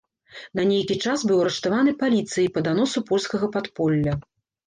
На нейкі час быў арыштаваны паліцыяй па даносу польскага падполля.